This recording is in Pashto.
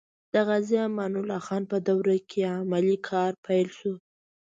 د غازي امان الله خان په دوره کې علمي کار پیل شو.